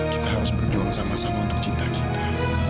kita harus berjuang sama sama untuk cinta kita